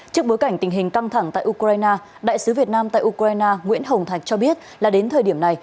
trước bối cảnh tình hình căng thẳng tại ukraine đại sứ việt nam tại ukraine nguyễn hồng thạch cho biết là đến thời điểm này